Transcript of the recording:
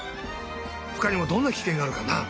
ほかにもどんなキケンがあるかな？